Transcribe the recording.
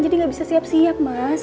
jadi gak bisa siap siap mas